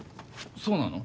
そうなの？